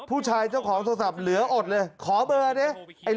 ผู้ชายเจ้าของโทรศัพท์เหลืออดเลยขอเบอร์ดิ